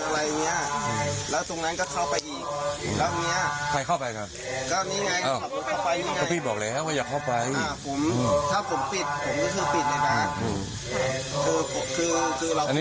วัดนี่พี่ฟังผมน่ะวัดเนี่ยเป็นปกติแล้วเป็นพิธาระนั้น